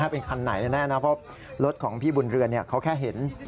เป็นคันไหนแน่นะเพราะรถของพี่บุญเรือนเขาแค่เห็น